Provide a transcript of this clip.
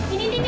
indi indi indi